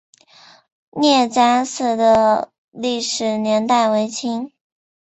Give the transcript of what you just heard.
聂家寺的历史年代为清。